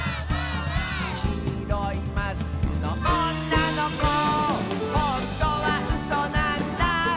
「きいろいマスクのおんなのこ」「ほんとはうそなんだ」